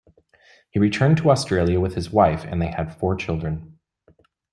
He returned to Australia with his wife and they had four children.